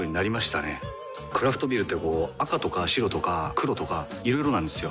クラフトビールってこう赤とか白とか黒とかいろいろなんですよ。